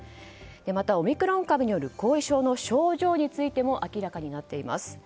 また、オミクロン株による後遺症の症状についても明らかになっています。